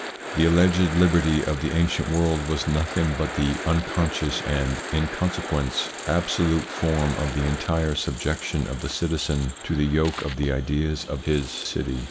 The alleged liberty of the ancient world was nothing but the unconscious and, in consequence, absolute form of the entire subjection of the citizen to the yoke of the ideas of his city.